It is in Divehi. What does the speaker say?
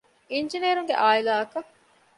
އިންޖިނޭރުންގެ ޢާއިލާ އަކަށް